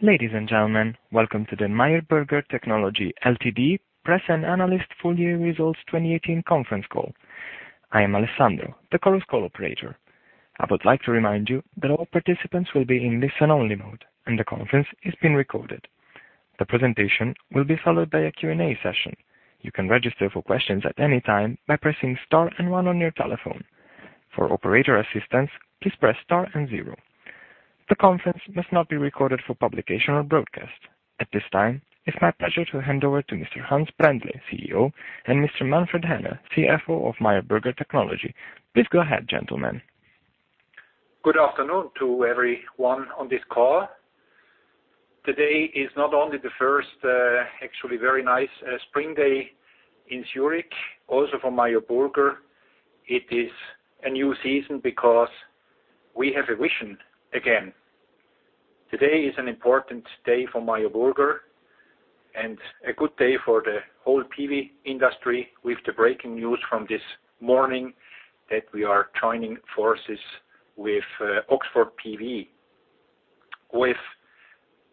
Ladies and gentlemen, welcome to the Meyer Burger Technology Ltd Press and Analyst Full Year Results 2018 Conference Call. I am Alessandro, the Chorus Call operator. I would like to remind you that all participants will be in listen-only mode, and the conference is being recorded. The presentation will be followed by a Q&A session. You can register for questions at any time by pressing star and one on your telephone. For operator assistance, please press star and zero. The conference must not be recorded for publication or broadcast. At this time, it's my pleasure to hand over to Mr. Hans Brändle, CEO, and Mr. Manfred Häner, CFO of Meyer Burger Technology. Please go ahead, gentlemen. Good afternoon to everyone on this call. Today is not only the first, actually very nice spring day in Zurich, also for Meyer Burger. It is a new season because we have a vision again. Today is an important day for Meyer Burger and a good day for the whole PV industry with the breaking news from this morning that we are joining forces with Oxford PV. With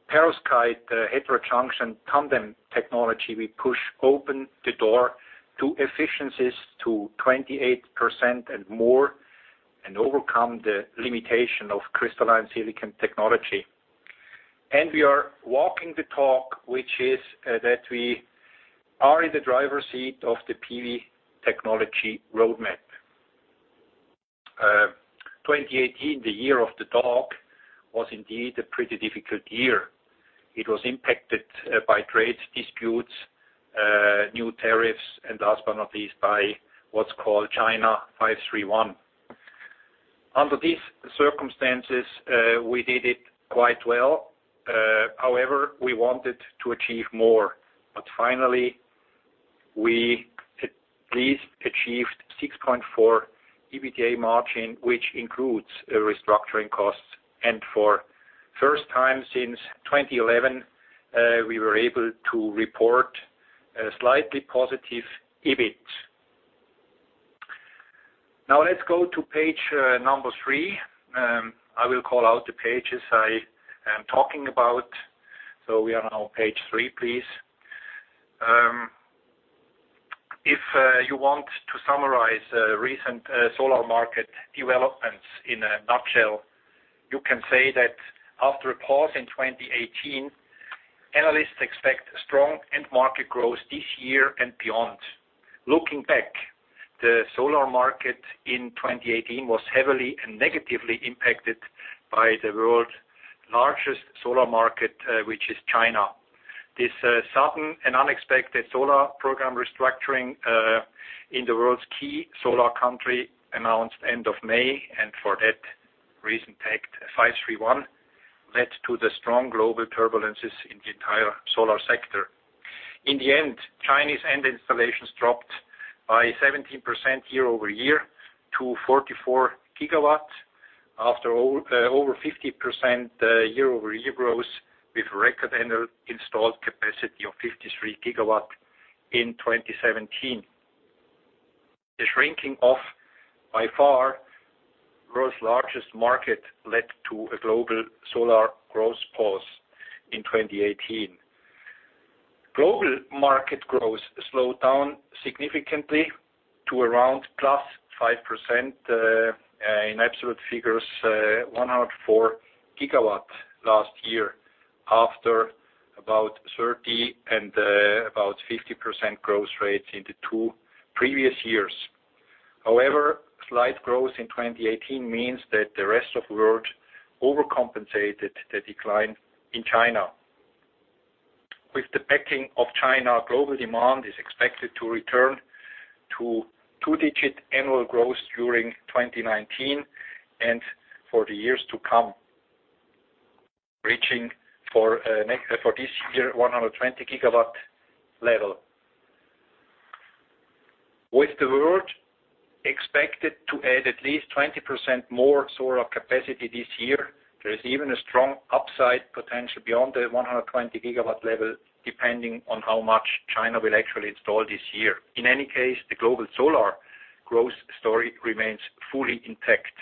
perovskite heterojunction tandem technology, we push open the door to efficiencies to 28% and more and overcome the limitation of crystalline silicon technology. We are walking the talk, which is that we are in the driver's seat of the PV technology roadmap. 2018, the year of the dog, was indeed a pretty difficult year. It was impacted by trade disputes, new tariffs, and last but not least, by what's called China 531. Under these circumstances, we did it quite well. We wanted to achieve more, but finally, we at least achieved 6.4% EBITDA margin, which includes restructuring costs. For first time since 2011, we were able to report a slightly positive EBIT. Let's go to page three. I will call out the pages I am talking about. We are now on page three, please. If you want to summarize recent solar market developments in a nutshell, you can say that after a pause in 2018, analysts expect strong end market growth this year and beyond. Looking back, the solar market in 2018 was heavily and negatively impacted by the world's largest solar market, which is China. This sudden and unexpected solar program restructuring in the world's key solar country announced end of May, and for that reason tagged 531, led to the strong global turbulences in the entire solar sector. Chinese end installations dropped by 17% year-over-year to 44 GW, after over 50% year-over-year growth, with record annual installed capacity of 53 GW in 2017. The shrinking of, by far, world's largest market led to a global solar growth pause in 2018. Global market growth slowed down significantly to around +5%, in absolute figures, 104 GW last year, after about 30% and about 50% growth rates in the two previous years. Slight growth in 2018 means that the rest of world overcompensated the decline in China. With the backing of China, global demand is expected to return to two-digit annual growth during 2019 and for the years to come, reaching for this year 120 GW level. With the world expected to add at least 20% more solar capacity this year, there is even a strong upside potential beyond the 120 GW level, depending on how much China will actually install this year. In any case, the global solar growth story remains fully intact.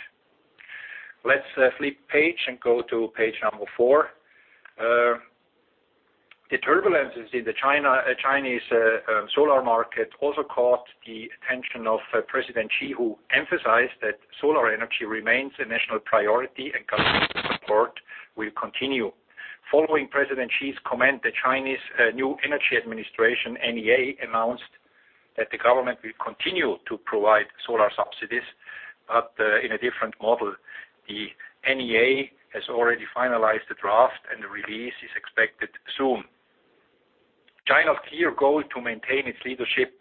Let's flip page and go to page four. The turbulences in the Chinese solar market also caught the attention of President Xi, who emphasized that solar energy remains a national priority and government support will continue. Following President Xi's comment, the Chinese National Energy Administration, NEA, announced that the government will continue to provide solar subsidies, but in a different model. The NEA has already finalized the draft and the release is expected soon. China's clear goal to maintain its leadership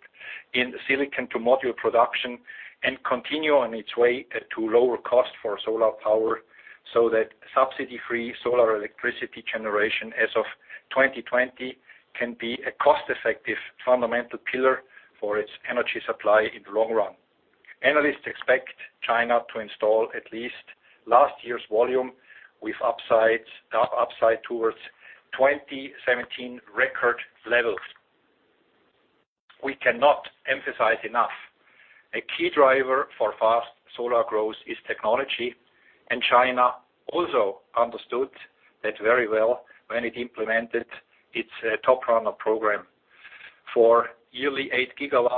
in silicon to module production and continue on its way to lower cost for solar power, so that subsidy-free solar electricity generation as of 2020 can be a cost-effective fundamental pillar for its energy supply in the long run. Analysts expect China to install at least last year's volume with upside towards 2017 record levels. We cannot emphasize enough. A key driver for fast solar growth is technology, and China also understood that very well when it implemented its TOPCon program for yearly 8 GW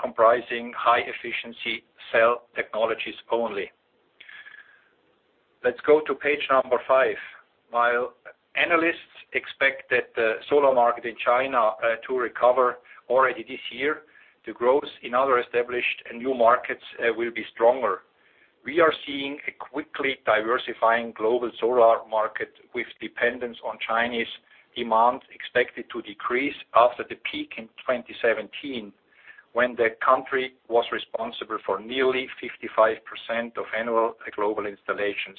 comprising high-efficiency cell technologies only. Let's go to page five. While analysts expect that the solar market in China to recover already this year, the growth in other established and new markets will be stronger. We are seeing a quickly diversifying global solar market, with dependence on Chinese demand expected to decrease after the peak in 2017, when the country was responsible for nearly 55% of annual global installations.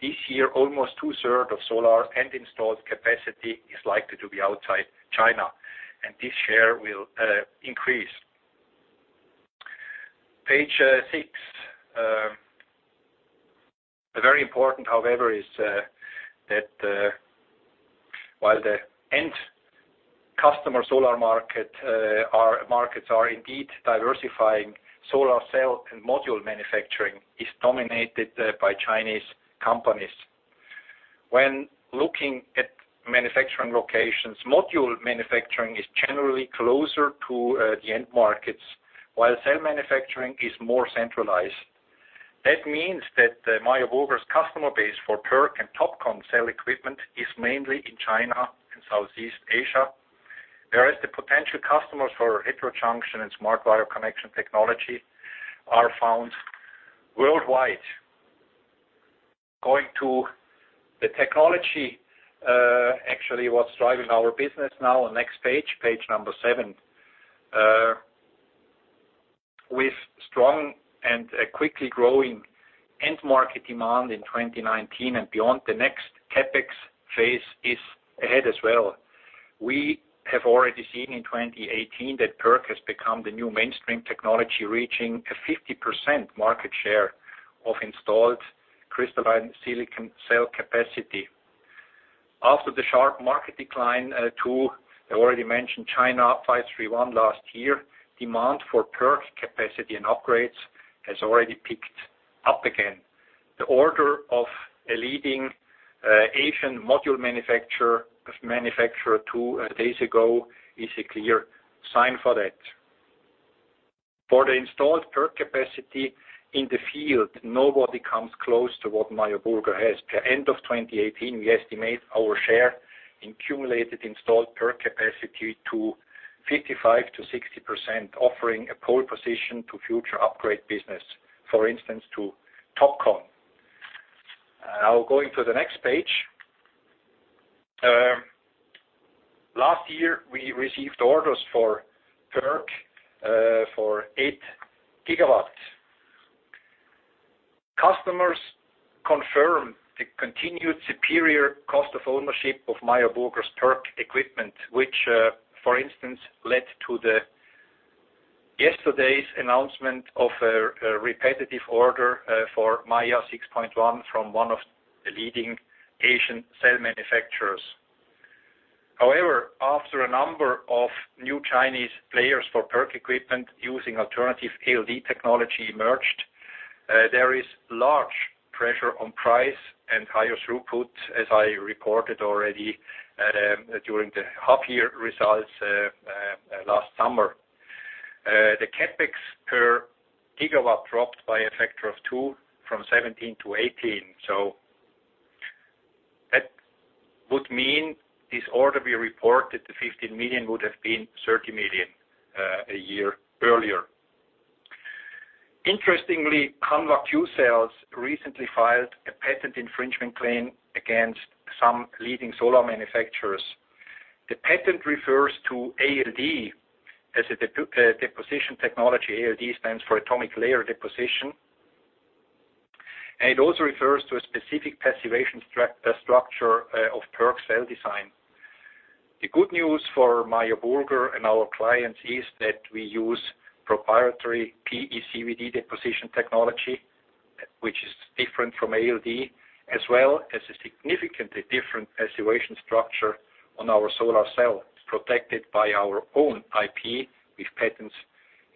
This year, almost two-third of solar end installed capacity is likely to be outside China, and this share will increase. Page six. Very important, however, is that while the end customer solar markets are indeed diversifying, solar cell and module manufacturing is dominated by Chinese companies. When looking at manufacturing locations, module manufacturing is generally closer to the end markets, while cell manufacturing is more centralized. That means that Meyer Burger's customer base for PERC and TOPCon cell equipment is mainly in China and Southeast Asia. Whereas the potential customers for heterojunction and SmartWire Connection Technology are found worldwide. Going to the technology, actually, what's driving our business now, next page seven. With strong and a quickly growing end market demand in 2019 and beyond, the next CapEx phase is ahead as well. We have already seen in 2018 that PERC has become the new mainstream technology, reaching a 50% market share of installed crystalline silicon cell capacity. After the sharp market decline to, I already mentioned China 531 last year, demand for PERC capacity and upgrades has already picked up again. The order of a leading Asian module manufacturer two days ago is a clear sign for that. For the installed PERC capacity in the field, nobody comes close to what Meyer Burger has per end of 2018, we estimate our share in cumulated installed PERC capacity to 55%-60%, offering a pole position to future upgrade business, for instance, to TOPCon. Now going to the next page. Last year, we received orders for PERC for 8 GW. Customers confirm the continued superior cost of ownership of Meyer Burger's PERC equipment, which, for instance, led to the yesterday's announcement of a repetitive order for MAiA 6.1 from one of the leading Asian cell manufacturers. However, after a number of new Chinese players for PERC equipment using alternative ALD technology emerged, there is large pressure on price and higher throughput, as I reported already during the half-year results last summer. The CapEx per gigawatt dropped by a factor of 2x from 2017 to 2018. That would mean this order we reported, the 15 million would have been 30 million a year earlier. Interestingly, Hanwha Q CELLS recently filed a patent infringement claim against some leading solar manufacturers. The patent refers to ALD as a deposition technology. ALD stands for atomic layer deposition, and it also refers to a specific passivation structure of PERC cell design. The good news for Meyer Burger and our clients is that we use proprietary PECVD deposition technology, which is different from ALD, as well as a significantly different passivation structure on our solar cell, protected by our own IP with patents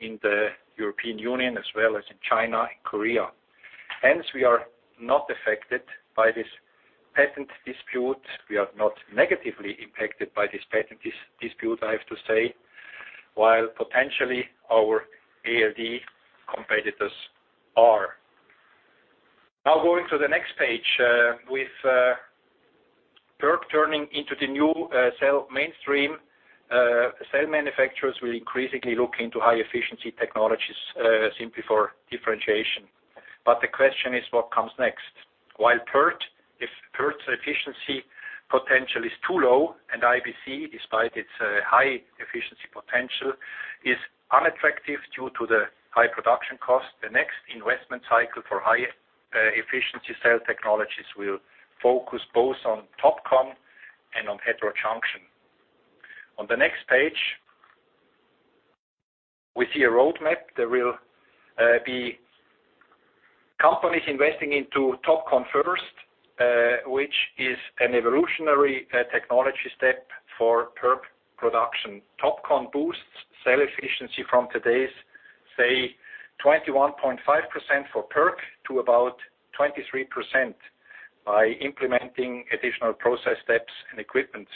in the European Union as well as in China and Korea. Hence, we are not affected by this patent dispute. We are not negatively impacted by this patent dispute, I have to say, while potentially our ALD competitors are. Going to the next page. With PERC turning into the new cell mainstream, cell manufacturers will increasingly look into high-efficiency technologies simply for differentiation. The question is, what comes next? PERT, if PERT's efficiency potential is too low, and IBC, despite its high efficiency potential, is unattractive due to the high production cost, the next investment cycle for high-efficiency cell technologies will focus both on TOPCon and on heterojunction. On the next page, we see a roadmap that will be. The company is investing into TOPCon first, which is an evolutionary technology step for PERC production. TOPCon boosts cell efficiency from today's, say, 21.5% for PERC to about 23% by implementing additional process steps and equipment.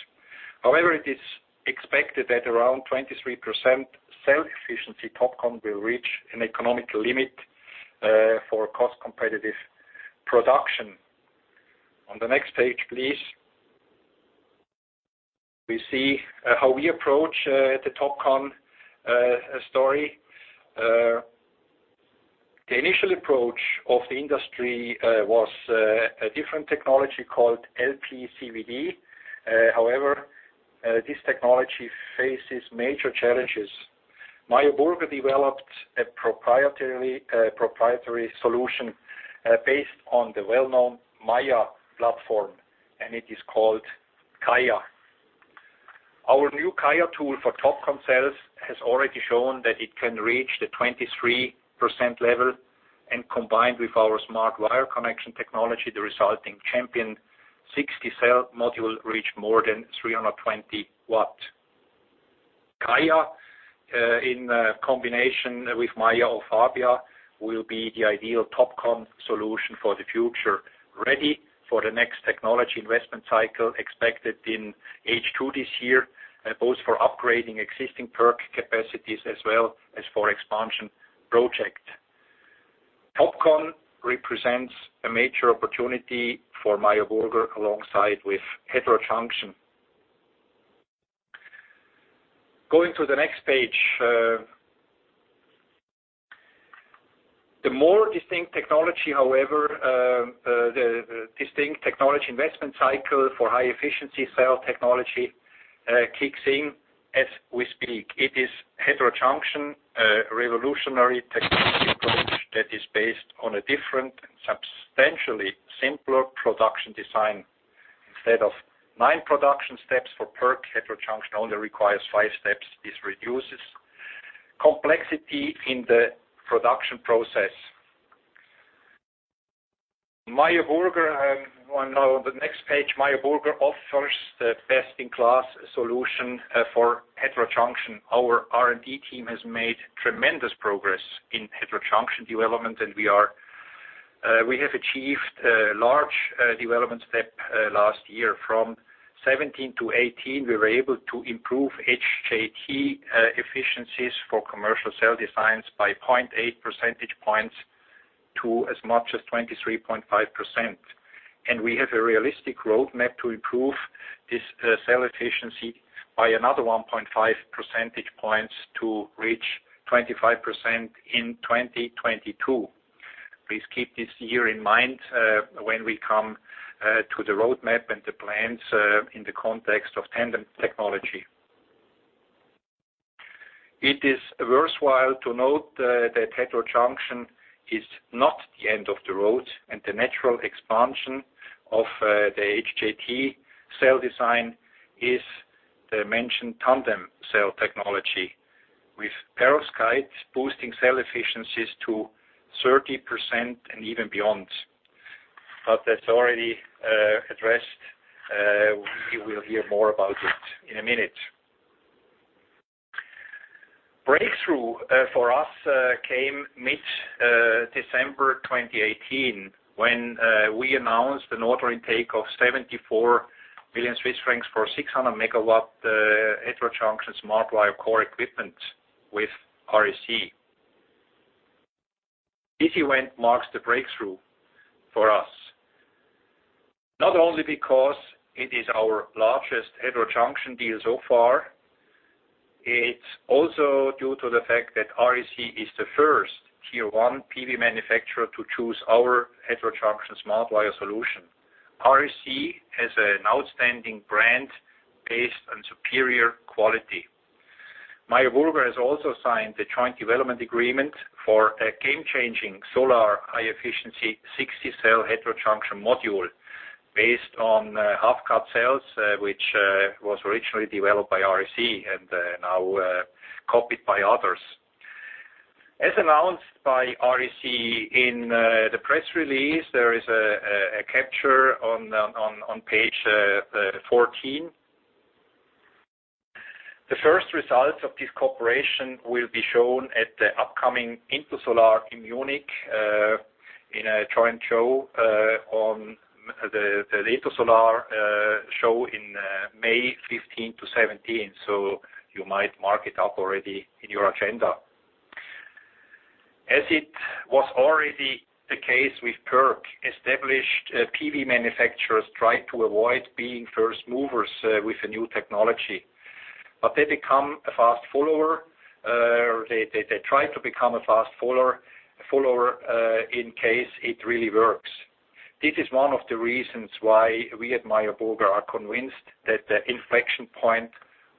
However, it is expected that around 23% cell efficiency TOPCon will reach an economic limit for cost competitive production. On the next page, please. We see how we approach the TOPCon story. The initial approach of the industry was a different technology called LPCVD. However, this technology faces major challenges. Meyer Burger developed a proprietary solution based on the well-known MAiA platform, and it is called CAiA. Our new CAiA tool for TOPCon cells has already shown that it can reach the 23% level, and combined with our SmartWire Connection Technology, the resulting champion 60-cell module reach more than 320 watts. CAiA, in combination with MAiA or FABiA, will be the ideal TOPCon solution for the future, ready for the next technology investment cycle expected in H2 this year, both for upgrading existing PERC capacities as well as for expansion project. TOPCon represents a major opportunity for Meyer Burger alongside with heterojunction. Going to the next page. The more distinct technology, however, the distinct technology investment cycle for high-efficiency cell technology kicks in as we speak. It is heterojunction, a revolutionary technology approach that is based on a different and substantially simpler production design. Instead of nine production steps for PERC, heterojunction only requires five steps. This reduces complexity in the production process. Meyer Burger offers the best-in-class solution for heterojunction. Our R&D team has made tremendous progress in heterojunction development, and we have achieved a large development step last year. From 2017 to 2018, we were able to improve HJT efficiencies for commercial cell designs by 0.8 percentage points to as much as 23.5%. We have a realistic roadmap to improve this cell efficiency by another 1.5 percentage points to reach 25% in 2022. Please keep this year in mind when we come to the roadmap and the plans in the context of tandem technology. It is worthwhile to note that heterojunction is not the end of the road. The natural expansion of the HJT cell design is the mentioned tandem cell technology with perovskite boosting cell efficiencies to 30% and even beyond. That's already addressed. You will hear more about it in a minute. Breakthrough for us came mid-December 2018 when we announced an order intake of 74 million Swiss francs for 600 MW heterojunction SmartWire core equipment with REC. This event marks the breakthrough for us, not only because it is our largest heterojunction deal so far. It's also due to the fact that REC is the first Tier 1 PV manufacturer to choose our heterojunction SmartWire solution. REC has an outstanding brand based on superior quality. Meyer Burger has also signed the joint development agreement for a game-changing solar high-efficiency 60-cell heterojunction module based on half-cut cells, which was originally developed by REC and now copied by others. As announced by REC in the press release, there is a capture on page 14. The first results of this cooperation will be shown at the upcoming Intersolar in Munich in a joint show on the Intersolar show in May 15 to May 17, so you might mark it up already in your agenda. As it was already the case with PERC, established PV manufacturers tried to avoid being first movers with a new technology. They try to become a fast follower, in case it really works. This is one of the reasons why we at Meyer Burger are convinced that the inflection point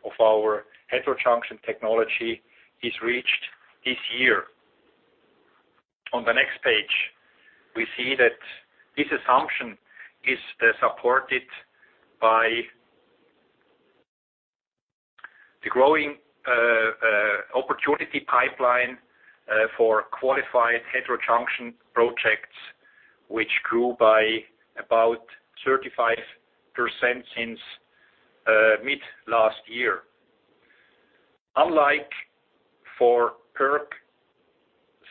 of our heterojunction technology is reached this year. On the next page, we see that this assumption is supported by the growing opportunity pipeline for qualified heterojunction projects, which grew by about 35% since mid-last year. Unlike for PERC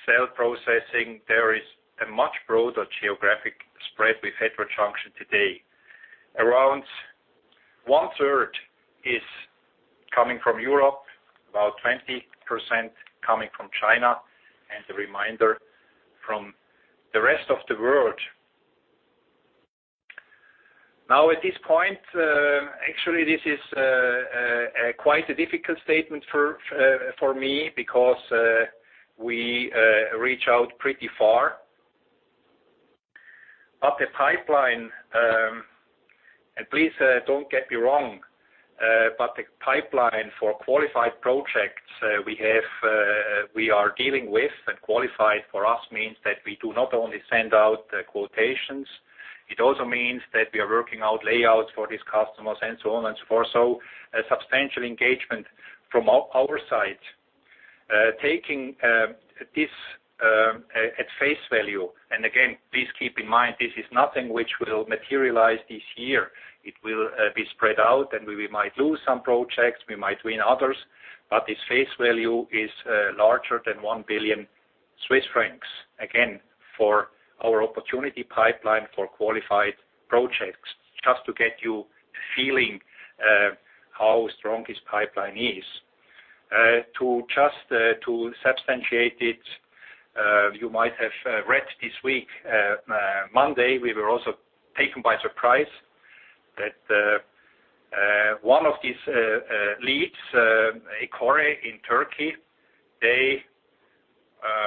cell processing, there is a much broader geographic spread with heterojunction today. Around one-third is coming from Europe, about 20% coming from China, and the remainder from the rest of the world. At this point, this is quite a difficult statement for me because we reach out pretty far up the pipeline. Please don't get me wrong, the pipeline for qualified projects we are dealing with, and qualified for us means that we do not only send out quotations, it also means that we are working out layouts for these customers and so on and so forth. A substantial engagement from our side. Taking this at face value. Again, please keep in mind, this is nothing which will materialize this year. It will be spread out, and we might lose some projects, we might win others. Its face value is larger than 1 billion Swiss francs, again, for our opportunity pipeline for qualified projects, just to get you feeling how strong this pipeline is. To substantiate it, you might have read this week, Monday, we were also taken by surprise that one of these leads, EkoRE in Turkey, they,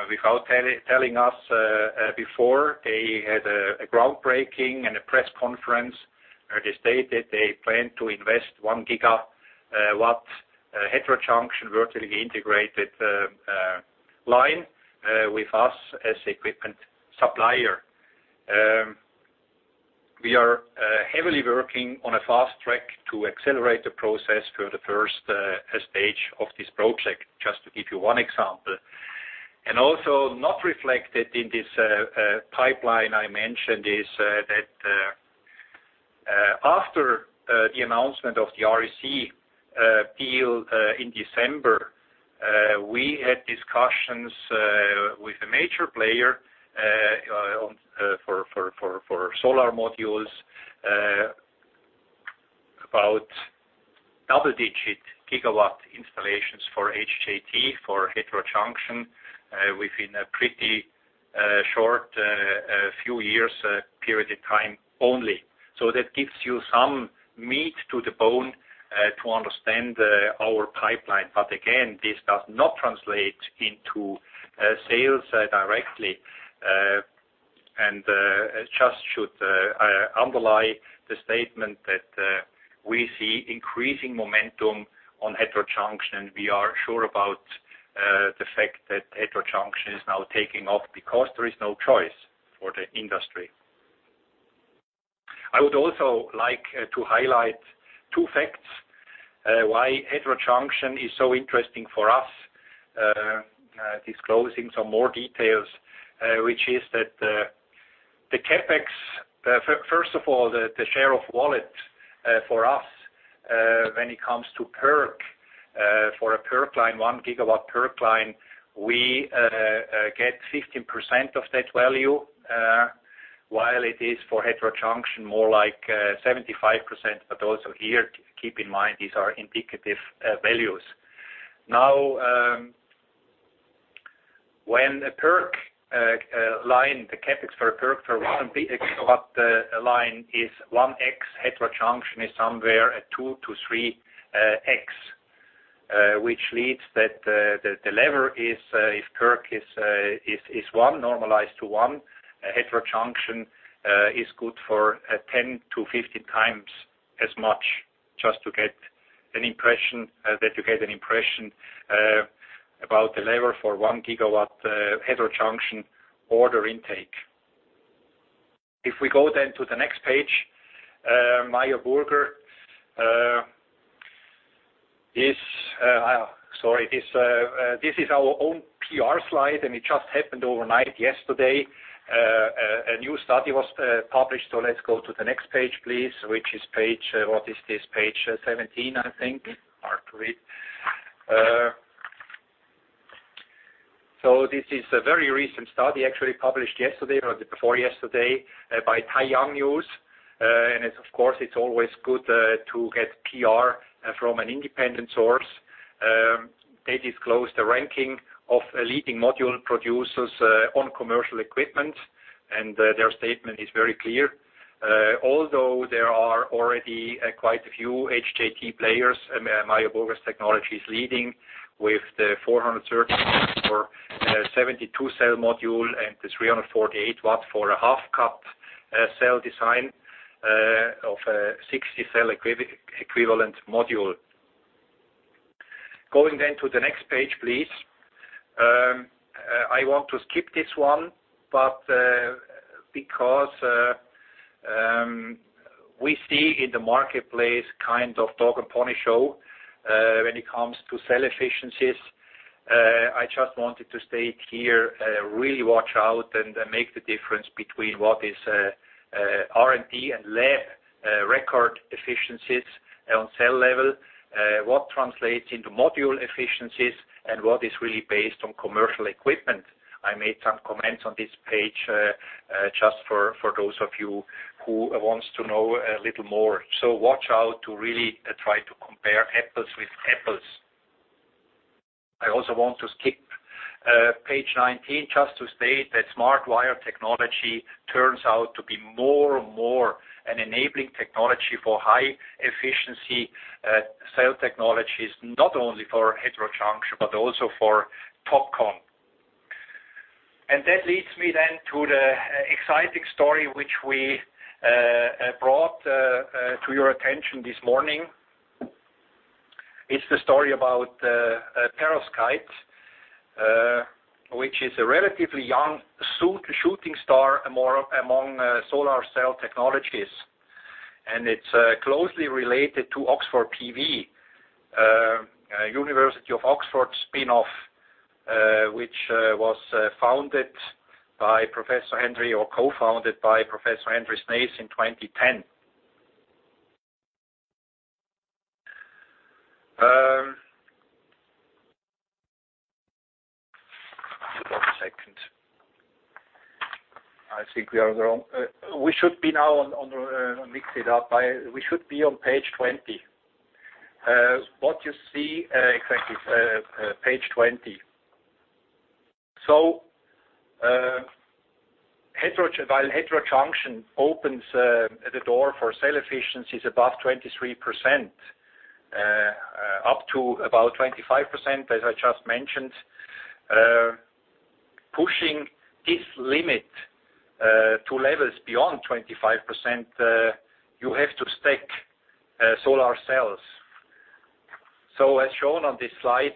without telling us before, they had a groundbreaking and a press conference where they stated they plan to invest 1 GW heterojunction vertically integrated line with us as equipment supplier. We are heavily working on a fast track to accelerate the process for the first stage of this project, just to give you one example. Also not reflected in this pipeline I mentioned is that, after the announcement of the REC deal in December, we had discussions with a major player for solar modules about double-digit gigawatt installations for HJT, for heterojunction, within a pretty short few years period of time only. That gives you some meat to the bone to understand our pipeline. Again, this does not translate into sales directly, and just should underlie the statement that we see increasing momentum on heterojunction, and we are sure about the fact that heterojunction is now taking off because there is no choice for the industry. I would also like to highlight two facts why heterojunction is so interesting for us, disclosing some more details, which is that the CapEx, first of all, the share of wallet for us, when it comes to PERC, for a PERC line, 1 GW PERC line, we get 15% of that value, while it is for heterojunction, more like 75%. Also here, keep in mind these are indicative values. Now, when a PERC line, the CapEx for a PERC, for 1 GW line is 1x, heterojunction is somewhere at 2x to 3x, which leads that the lever is, if PERC is 1x, normalized to 1x, heterojunction is good for 10x to 15x as much, just that you get an impression about the lever for 1 GW heterojunction order intake. If we go then to the next page, Meyer Burger. Sorry. This is our own PR slide. It just happened overnight yesterday. A new study was published. Let's go to the next page, please, which is page What is this? Page 17, I think. Hard to read. This is a very recent study, actually published yesterday or the before yesterday, by TaiyangNews. Of course, it's always good to get PR from an independent source. They disclose the ranking of leading module producers on commercial equipment, and their statement is very clear. Although there are already quite a few HJT players, Meyer Burger's technology is leading with the for their 72-cell module and the 348 watt for a half-cut cell design of a 60-cell equivalent module. Going to the next page, please. I want to skip this one, because we see in the marketplace kind of dog-and-pony show when it comes to cell efficiencies, I just wanted to state here, really watch out and make the difference between what is R&D and lab record efficiencies on cell level, what translates into module efficiencies, and what is really based on commercial equipment. I made some comments on this page just for those of you who wants to know a little more. Watch out to really try to compare apples with apples. I also want to skip page 19, just to state that SmartWire technology turns out to be more and more an enabling technology for high-efficiency cell technologies, not only for heterojunction, but also for TOPCon. That leads me then to the exciting story which we brought to your attention this morning. It's the story about perovskite, which is a relatively young shooting star among solar cell technologies. It's closely related to Oxford PV, University of Oxford spinoff, which was co-founded by Professor Henry Snaith in 2010. Just one second. I think we should be now on, I mixed it up. We should be on page 20. What you see, exactly, page 20. While heterojunction opens the door for cell efficiencies above 23%, up to about 25%, as I just mentioned, pushing this limit to levels beyond 25%, you have to stack solar cells. As shown on this slide,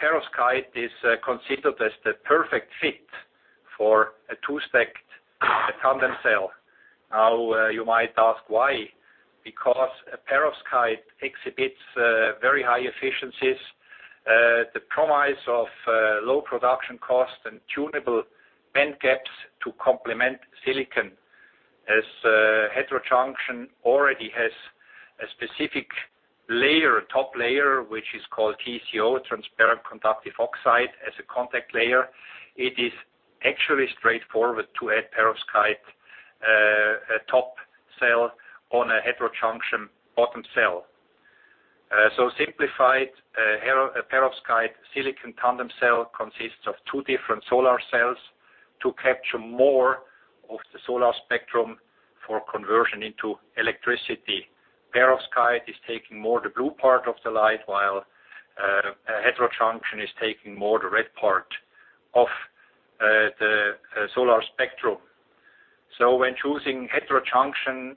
perovskite is considered as the perfect fit for a two stacked tandem cell. You might ask why. Because a perovskite exhibits very high efficiencies, the promise of low production cost, and tunable band gaps to complement silicon, as heterojunction already has a specific layer, a top layer, which is called TCO, transparent conductive oxide, as a contact layer. It is actually straightforward to add perovskite top cell on a heterojunction bottom cell. Simplified, a perovskite silicon tandem cell consists of two different solar cells to capture more of the solar spectrum for conversion into electricity. Perovskite is taking more of the blue part of the light, while heterojunction is taking more of the red part of the solar spectrum. When choosing heterojunction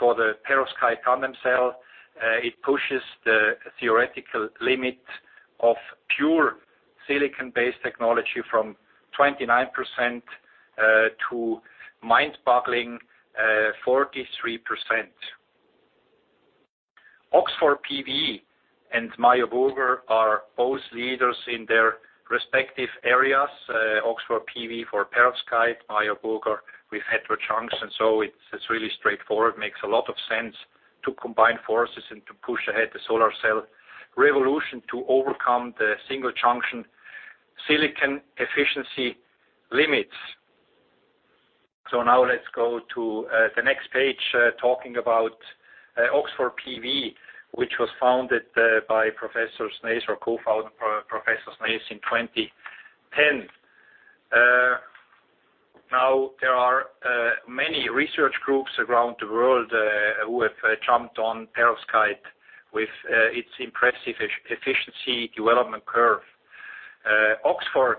for the perovskite tandem cell, it pushes the theoretical limit of pure silicon-based technology from 29% to mind-boggling 43%. Oxford PV and Meyer Burger are both leaders in their respective areas, Oxford PV for perovskite, Meyer Burger with heterojunction, so it's really straightforward, makes a lot of sense to combine forces and to push ahead the solar cell revolution to overcome the single junction silicon efficiency limits. Let's go to the next page, talking about Oxford PV, which was co-founded by Professor Snaith in 2010. There are many research groups around the world who have jumped on perovskite with its impressive efficiency development curve. Oxford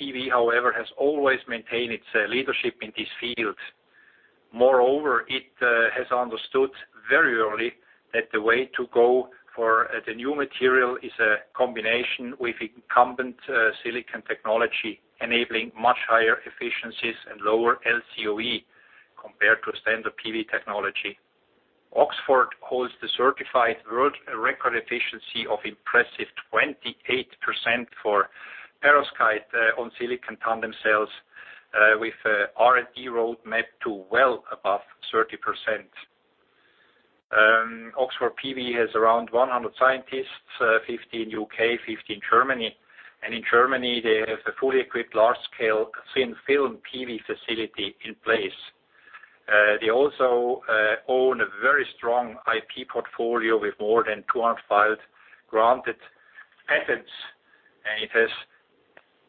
PV, however, has always maintained its leadership in this field. Moreover, it has understood very early that the way to go for the new material is a combination with incumbent silicon technology, enabling much higher efficiencies and lower LCOE compared to standard PV technology. Oxford holds the certified world record efficiency of impressive 28% for perovskite on silicon tandem cells, with R&D roadmap to well above 30%. Oxford PV has around 100 scientists, 50 in U.K., 50 in Germany. In Germany, they have a fully equipped large-scale thin-film PV facility in place. They also own a very strong IP portfolio with more than 200 filed granted patents, and it has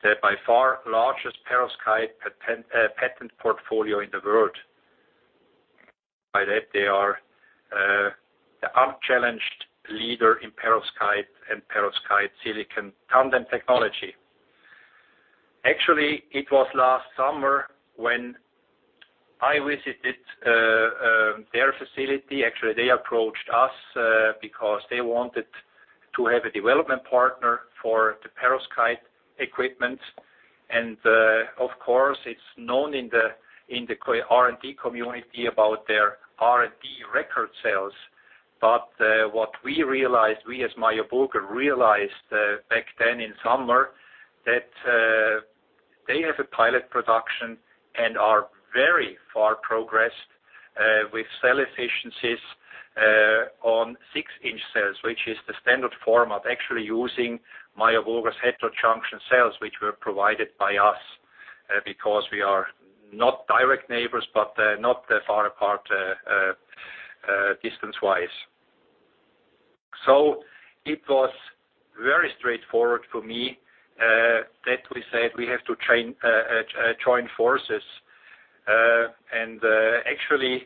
the by far largest perovskite patent portfolio in the world. By that, they are the unchallenged leader in perovskite and perovskite silicon tandem technology. It was last summer when I visited their facility. They approached us because they wanted to have a development partner for the perovskite equipment. Of course, it's known in the R&D community about their R&D record sales. What we as Meyer Burger realized back then in summer, that they have a pilot production and are very far progressed with cell efficiencies on 6 in cells, which is the standard form of actually using Meyer Burger's heterojunction cells, which were provided by us, because we are not direct neighbors, but not that far apart distance-wise. It was very straightforward for me that we said we have to join forces. Actually,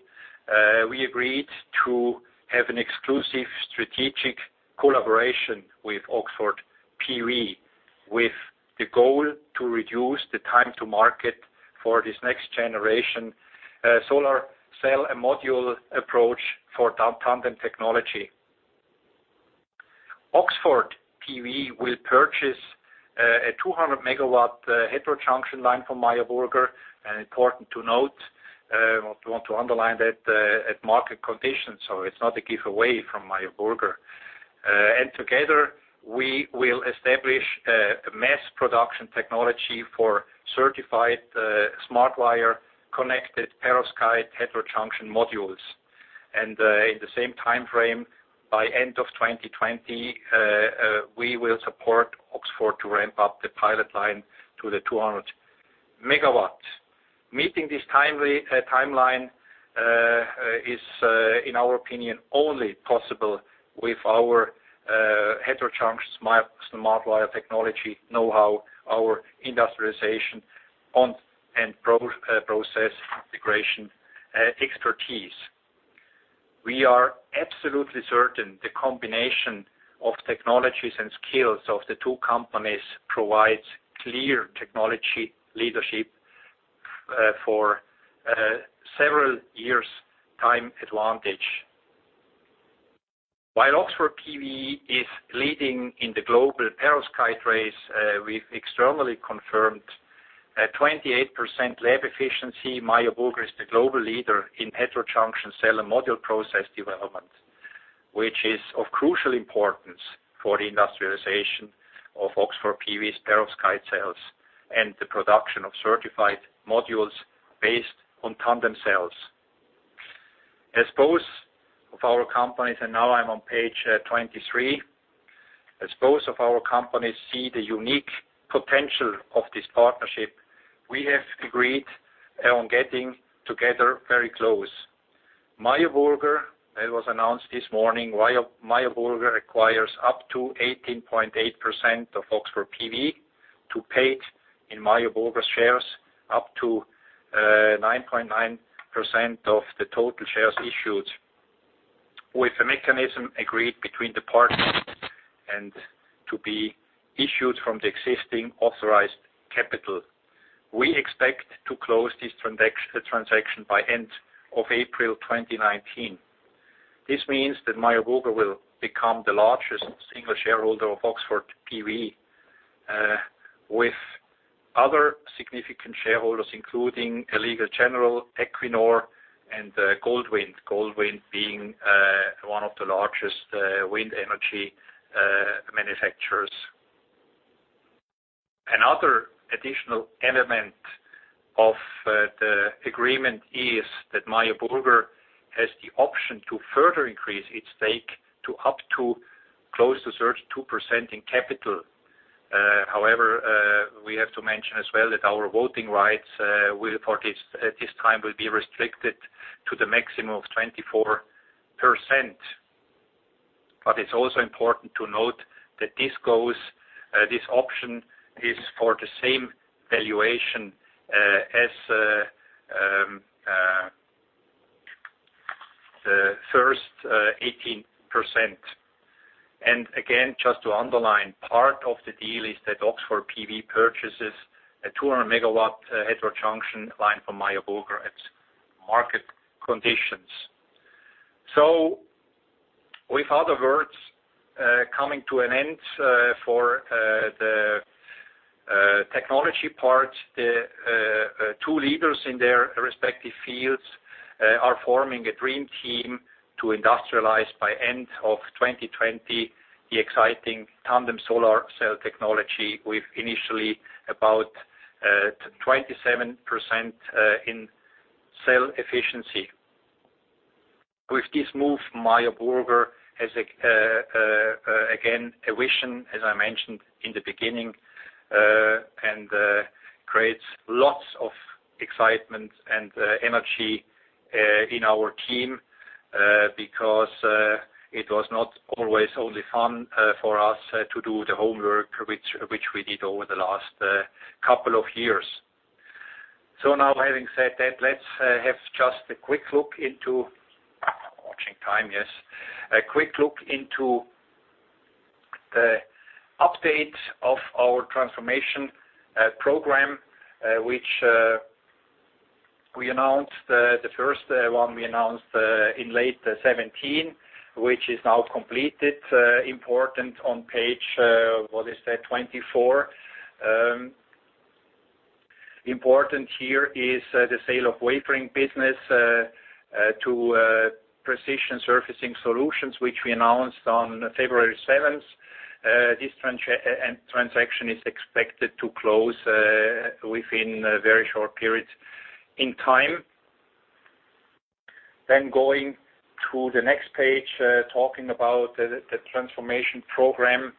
we agreed to have an exclusive strategic collaboration with Oxford PV, with the goal to reduce the time to market for this next generation solar cell and module approach for our tandem technology. Oxford PV will purchase a 200 MW heterojunction line from Meyer Burger, important to note, I want to underline that at market conditions, so it's not a giveaway from Meyer Burger. Together, we will establish a mass production technology for certified SmartWire connected perovskite heterojunction modules. In the same timeframe, by end of 2020, we will support Oxford to ramp up the pilot line to the 200 MW. Meeting this timeline is, in our opinion, only possible with our heterojunction SmartWire technology know-how, our industrialization and process integration expertise. We are absolutely certain the combination of technologies and skills of the two companies provides clear technology leadership for several years' time advantage. While Oxford PV is leading in the global perovskite race, we've externally confirmed a 28% lab efficiency. Meyer Burger is the global leader in heterojunction cell and module process development, which is of crucial importance for the industrialization of Oxford PV's perovskite cells and the production of certified modules based on tandem cells. As both of our companies see the unique potential of this partnership, we have agreed on getting together very close. Meyer Burger, that was announced this morning, Meyer Burger acquires up to 18.8% of Oxford PV to paid in Meyer Burger's shares up to 9.9% of the total shares issued, with a mechanism agreed between the partners and to be issued from the existing authorized capital. We expect to close this transaction by end of April 2019. This means that Meyer Burger will become the largest single shareholder of Oxford PV, with other significant shareholders, including Legal & General, Equinor, and Goldwind. Goldwind being one of the largest wind energy manufacturers. Another additional element of the agreement is that Meyer Burger has the option to further increase its stake to up to close to 32% in capital. We have to mention as well that our voting rights at this time will be restricted to the maximum of 24%. It is also important to note that this option is for the same valuation as the first 18%. Again, just to underline, part of the deal is that Oxford PV purchases a 200-MW heterojunction line from Meyer Burger at market conditions. With other words, coming to an end for the technology part, the two leaders in their respective fields are forming a dream team to industrialize by end of 2020, the exciting tandem cell technology with initially about 27% in cell efficiency. With this move, Meyer Burger has, again, a vision, as I mentioned in the beginning, and creates lots of excitement and energy in our team, because it was not always only fun for us to do the homework which we did over the last couple of years. Having said that, let's have just a quick look into the update of our transformation program, which we announced, the first one we announced in late 2017, which is now completed. Important on page, what is that? 24. Important here is the sale of wafering business to Precision Surfacing Solutions, which we announced on February 7th. This transaction is expected to close within a very short period in time. Going to the next page, talking about the transformation program,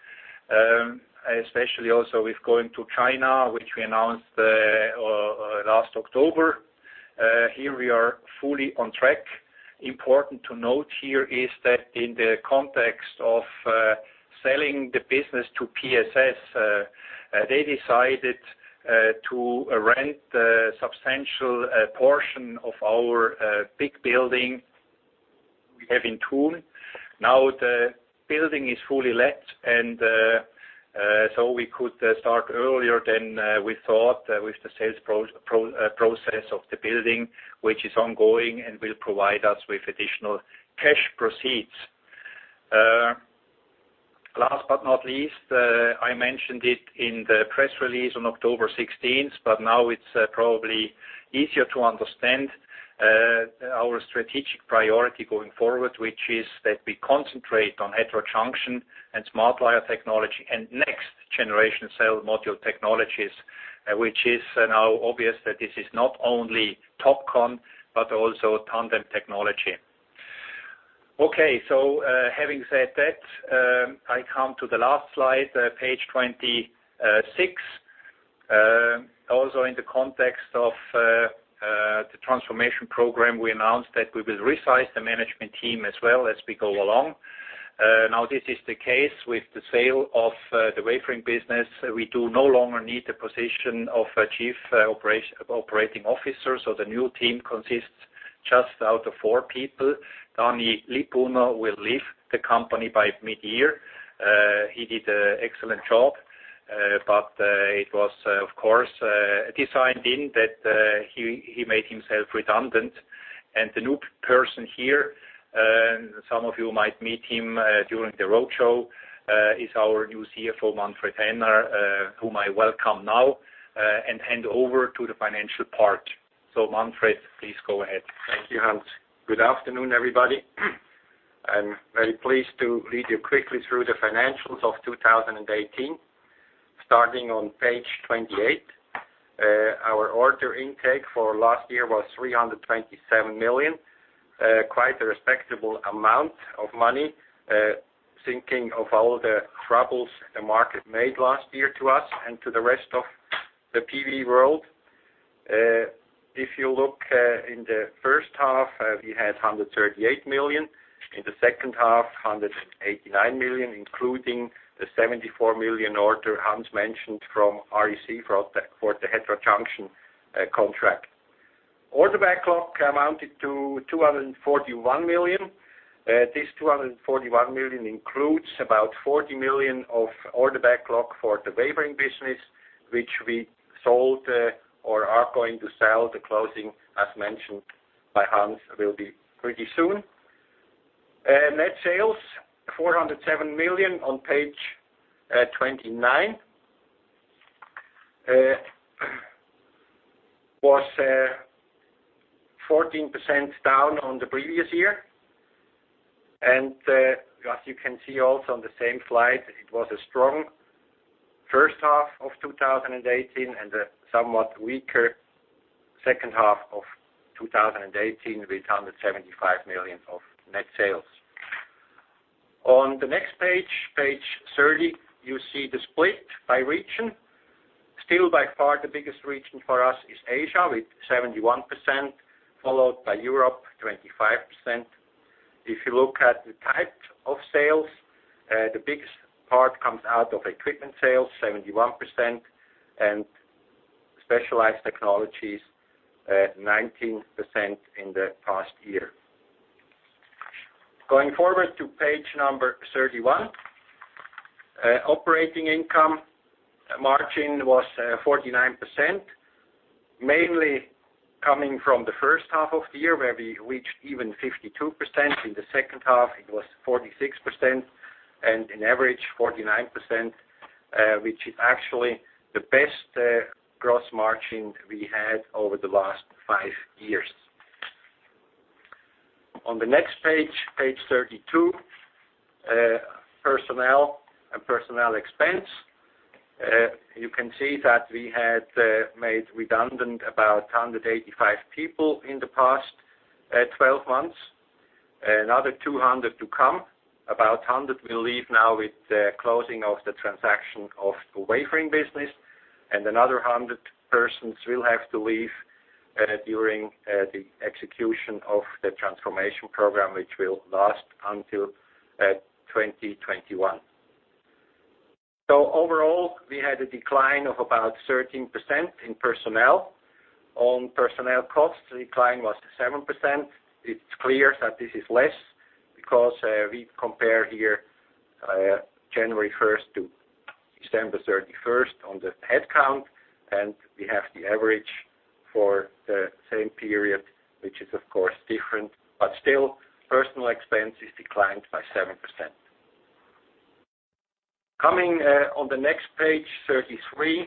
especially also with going to China, which we announced last October. Here we are fully on track. Important to note here is that in the context of selling the business to PSS, they decided to rent a substantial portion of our big building we have in Thun. The building is fully let, we could start earlier than we thought with the sales process of the building, which is ongoing and will provide us with additional cash proceeds. Last but not least, I mentioned it in the press release on October 16th, it is probably easier to understand our strategic priority going forward, which is that we concentrate on heterojunction and SmartWire Connection Technology and next generation cell module technologies, which is now obvious that this is not only TOPCon, but also tandem technology. Having said that, I come to the last slide, page 26. In the context of the transformation program, we announced that we will resize the management team as well as we go along. This is the case with the sale of the wafering business. We do no longer need the position of a Chief Operating Officer, the new team consists just out of four people. Dani Lippuner will leave the company by mid-year. He did an excellent job, it was, of course, designed in that he made himself redundant. The new person here, some of you might meet him during the roadshow, is our new CFO, Manfred Häner, whom I welcome now and hand over to the financial part. Manfred, please go ahead. Thank you, Hans. Good afternoon, everybody. I am very pleased to lead you quickly through the financials of 2018. Starting on page 28. Our order intake for last year was 327 million. Quite a respectable amount of money, thinking of all the troubles the market made last year to us and to the rest of the PV world. If you look in the first half, we had 138 million. In the second half, 189 million, including the 74 million order Hans mentioned from REC for the heterojunction contract. Order backlog amounted to 241 million. This 241 million includes about 40 million of order backlog for the wafering business, which we sold or are going to sell. The closing, as mentioned by Hans, will be pretty soon. Net sales, 407 million on page 29. Was 14% down on the previous year. As you can see also on the same slide, it was a strong first half of 2018 and a somewhat weaker second half of 2018 with 175 million of net sales. On the next page 30, you see the split by region. Still by far the biggest region for us is Asia with 71%, followed by Europe, 25%. If you look at the type of sales, the biggest part comes out of equipment sales, 71%, and specialized technologies at 19% in the past year. Going forward to page number 31. Operating income margin was 49%, mainly coming from the first half of the year where we reached even 52%. In the second half, it was 46%, and in average 49%, which is actually the best gross margin we had over the last five years. On the next page 32, personnel and personnel expense. You can see that we had made redundant about 185 people in the past 12 months. Another 200 to come. About 100 will leave now with the closing of the transaction of the wafering business, and another 100 persons will have to leave during the execution of the transformation program, which will last until 2021. Overall, we had a decline of about 13% in personnel. On personnel costs, the decline was 7%. It's clear that this is less because we compare here January 1st to December 31st on the headcount, and we have the average for the same period, which is, of course, different. But still, personal expense is declined by 7%. Coming on the next page, 33,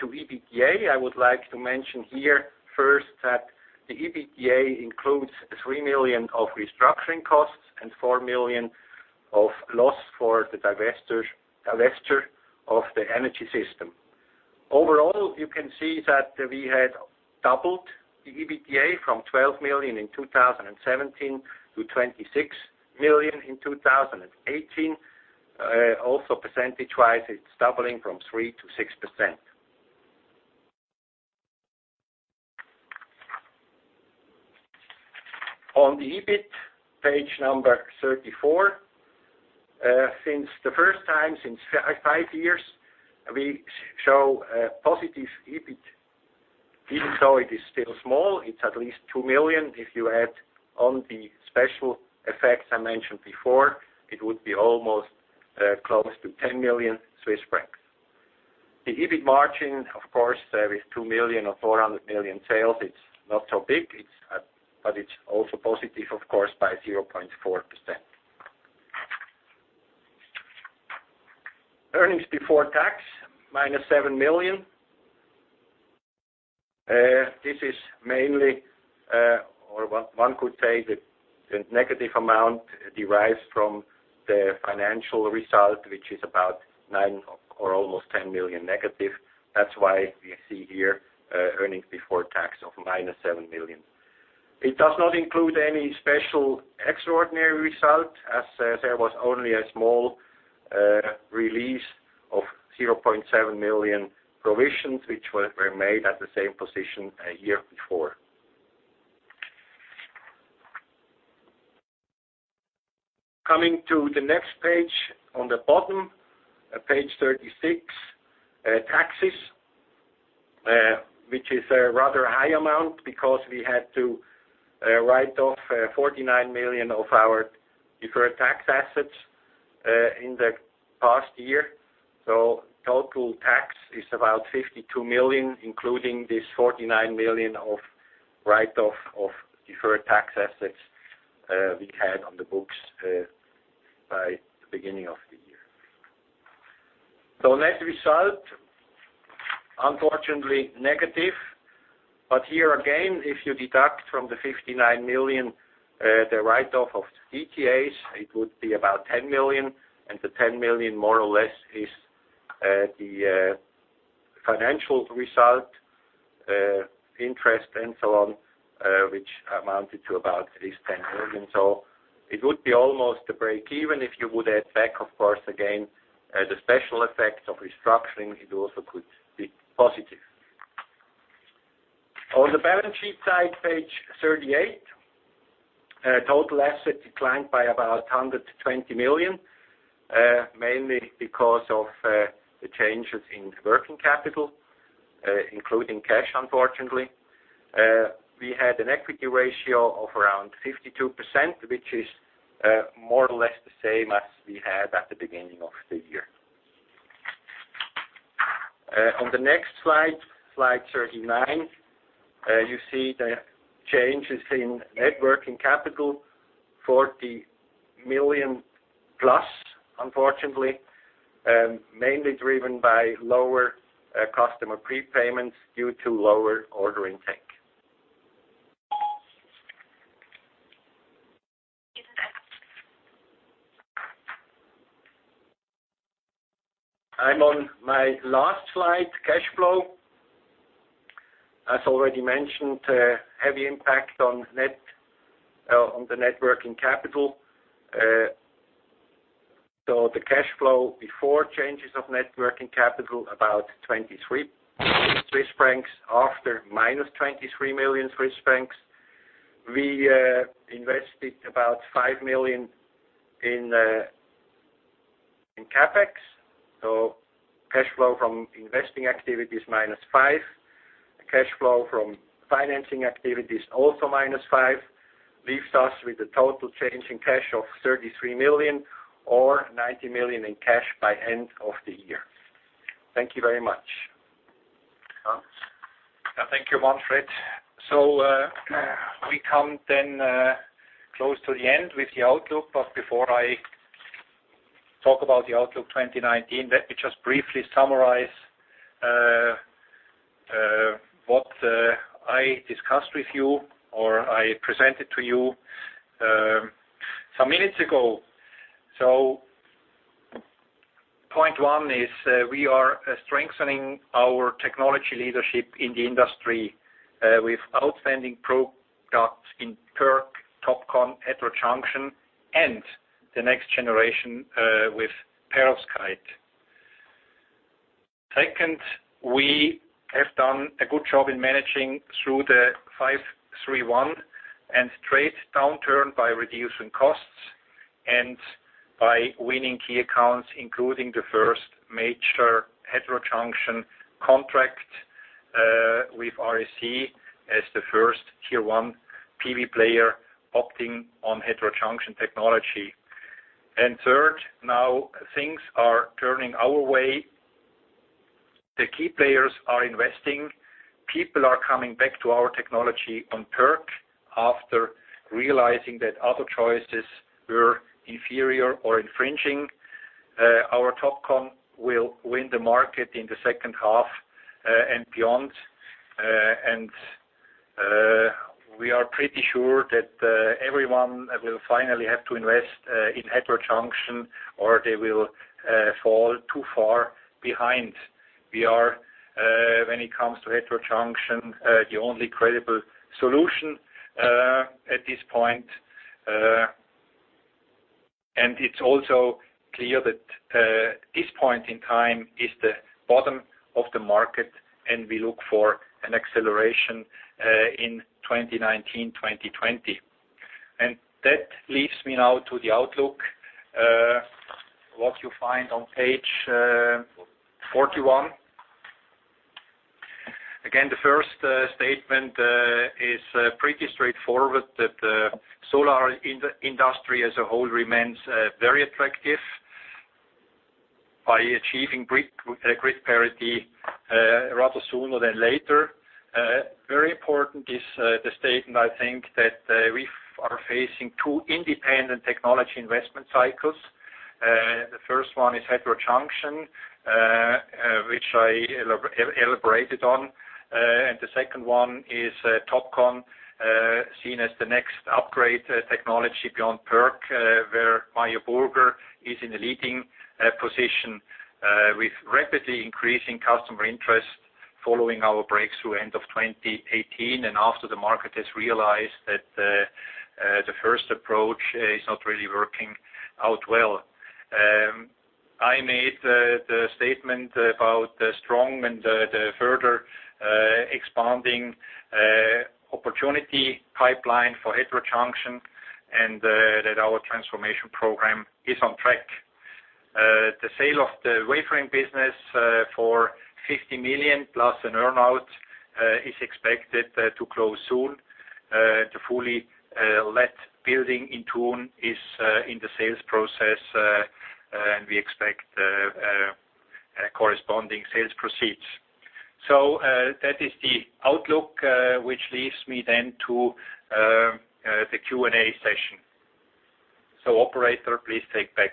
to EBITDA. I would like to mention here first that the EBITDA includes 3 million of restructuring costs and 4 million of loss for the divesture of the Energy Systems. Overall, you can see that we had doubled the EBITDA from 12 million in 2017 to 26 million in 2018. Also, percentage-wise, it's doubling from 3% to 6%. On the EBIT, page number 34. Since the first time since five years, we show a positive EBIT. Even so it is still small, it's at least 2 million. If you add on the special effects I mentioned before, it would be almost close to 10 million Swiss francs. The EBIT margin, of course, with 2 million or 400 million sales, it's not so big, but it's also positive, of course, by 0.4%. Earnings before tax, -7 million. This is mainly, or one could say, the negative amount derives from the financial result, which is about 9 million- or almost 10 million-. That's why we see here earnings before tax of -7 million. It does not include any special extraordinary result, as there was only a small release of 0.7 million provisions, which were made at the same position a year before. Coming to the next page, on the bottom, page 36, taxes, which is a rather high amount because we had to write off 49 million of our deferred tax assets in the past year. Total tax is about 52 million, including this 49 million of write-off of deferred tax assets we had on the books by the beginning of the year. Net result, unfortunately negative. Here again, if you deduct from the 59 million the write-off of DTAs, it would be about 10 million, and the 10 million more or less is the financial result, interest, and so on, which amounted to about at least 10 million. It would be almost a break even if you would add back, of course, again, the special effect of restructuring, it also could be positive. On the balance sheet side, page 38, total assets declined by about 120 million, mainly because of the changes in working capital, including cash, unfortunately. We had an equity ratio of around 52%, which is more or less the same as we had at the beginning of the year. On the next slide 39, you see the changes in net working capital, CHF 40 million+, unfortunately, mainly driven by lower customer prepayments due to lower order intake. I'm on my last slide, cash flow. As already mentioned, a heavy impact on the net working capital. The cash flow before changes of net working capital, about 23 Swiss francs. After, -23 million Swiss francs. We invested about 5 million in CapEx, cash flow from investing activity is -5. The cash flow from financing activity is also -5, leaves us with a total change in cash of 33 million or 90 million in cash by end of the year. Thank you very much. Thank you, Manfred. We come then close to the end with the outlook. Before I talk about the outlook 2019, let me just briefly summarize what I discussed with you or I presented to you some minutes ago. Point one is we are strengthening our technology leadership in the industry with outstanding products in PERC, TOPCon, heterojunction, and the next generation with perovskite. Second, we have done a good job in managing through the 531 and trade downturn by reducing costs and by winning key accounts, including the first major heterojunction contract, with REC as the first Tier 1 PV player opting on heterojunction technology. Third, now things are turning our way. The key players are investing. People are coming back to our technology on PERC after realizing that other choices were inferior or infringing. Our TOPCon will win the market in the second half and beyond. We are pretty sure that everyone will finally have to invest in heterojunction, or they will fall too far behind. We are, when it comes to heterojunction, the only credible solution at this point. It's also clear that this point in time is the bottom of the market, and we look for an acceleration in 2019/2020. That leads me now to the outlook, what you find on page 41. Again, the first statement is pretty straightforward, that the solar industry as a whole remains very attractive by achieving grid parity rather sooner than later. Very important is the statement, I think, that we are facing two independent technology investment cycles. The first one is heterojunction, which I elaborated on. The second one is TOPCon, seen as the next upgrade technology beyond PERC, where Meyer Burger is in a leading position with rapidly increasing customer interest following our breakthrough end of 2018 and after the market has realized that the first approach is not really working out well. I made the statement about the strong and the further expanding opportunity pipeline for heterojunction and that our transformation program is on track. The sale of the wafering business for 50 million plus an earn-out is expected to close soon. The fully let building in Thun is in the sales process, and we expect corresponding sales proceeds. That is the outlook, which leads me then to the Q&A session. Operator, please take back.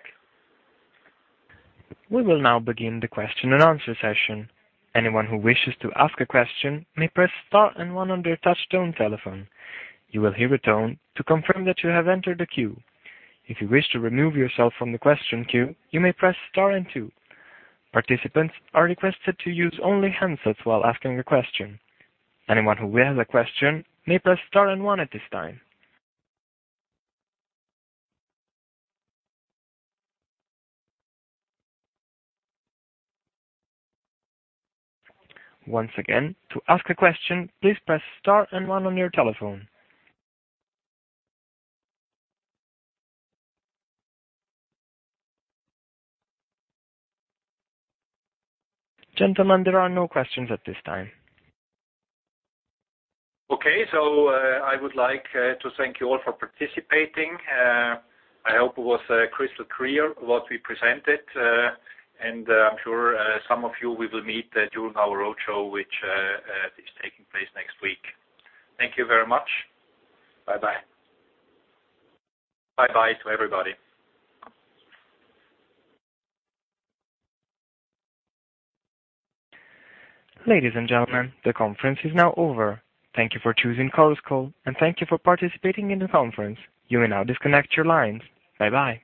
We will now begin the question and answer session. Anyone who wishes to ask a question may press star and one on their touchtone telephone. You will hear a tone to confirm that you have entered the queue. If you wish to remove yourself from the question queue, you may press star and two. Participants are requested to use only handsets while asking a question. Anyone who has a question may press star and one at this time. Once again, to ask a question, please press star and one on your telephone. Gentlemen, there are no questions at this time. Okay. I would like to thank you all for participating. I hope it was crystal clear what we presented. I'm sure some of you we will meet during our roadshow, which is taking place next week. Thank you very much. Bye-bye. Bye-bye to everybody. Ladies and gentlemen, the conference is now over. Thank you for choosing Chorus Call, and thank you for participating in the conference. You may now disconnect your lines. Bye-bye.